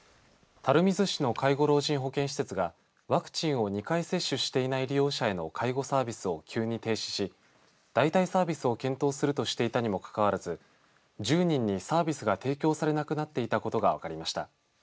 垂水市の介護老人保健施設がワクチンを２回接種していない利用者への介護サービスを急に停止し代替サービスを検討するとしていたにもかかわらず１０人にサービスが提供されなくなっていたことが分かりました。